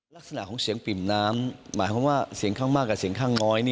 ลักษณะของเสียงปิ่มน้ำหมายความว่าเสียงข้างมากกับเสียงข้างน้อย